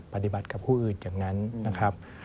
ปฏิบัติกับผู้อื่นอย่างนั้นนะครับ